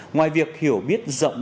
ngoài việc hiểu biết rộng